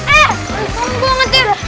eh tunggu ngetir